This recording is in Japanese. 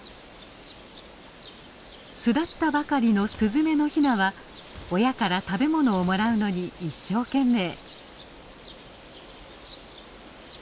巣立ったばかりのスズメのヒナは親から食べ物をもらうのに一生懸命。